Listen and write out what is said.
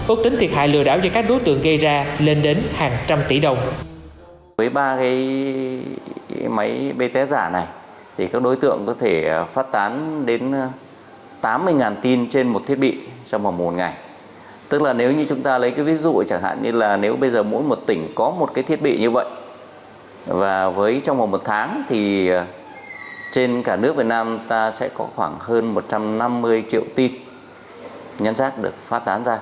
úc tính thiệt hại lừa đảo cho các đối tượng gây ra lên đến hàng trăm tỷ đồng